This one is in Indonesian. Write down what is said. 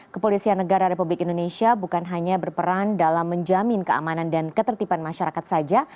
kepolisian negara republik indonesia bukan hanya berperan dalam menjamin keamanan dan ketertiban masyarakat saja